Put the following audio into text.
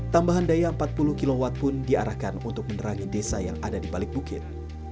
tambahan daya empat puluh kw pun diarahkan untuk menerangi desa yang ada di balik bukit